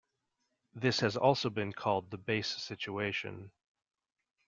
This has also been called the base situation.